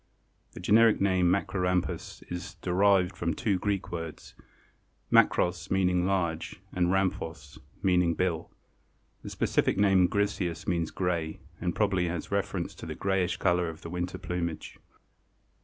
The generic name Macrorhamphus is derived from two Greek words, makros, meaning large, and rhamphos, meaning bill. The specific name griseus means gray, and probably has reference to the grayish color of the winter plumage.